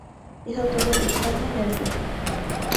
Es autora de "España y el Rif.